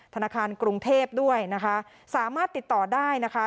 ธนาคารกรุงเทพด้วยนะคะสามารถติดต่อได้นะคะ